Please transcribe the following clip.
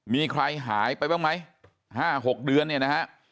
มีใครหายไปบ้างไหม๕๖เดือน